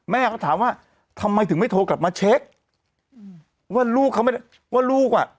แม่ก็ถามว่าทำไมถึงไม่โทรกลับมาเช็คว่าลูกเขาไม่ได้ว่าลูกอ่ะ